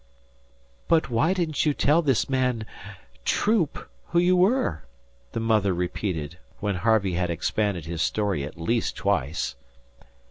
"But why didn't you tell this man, Troop, who you were?" the mother repeated, when Harvey had expanded his story at least twice.